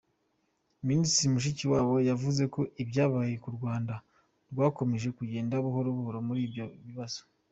Minisitiri Mushikiwabo yavuze ko ibyabaye k’u Rwanda rwakomeje kugenda gahoro muri ibyo bibazo.